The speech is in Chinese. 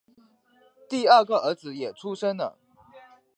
第二个儿子也出生了